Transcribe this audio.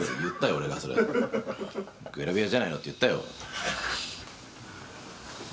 俺がそれグラビアじゃないの？って言ったよ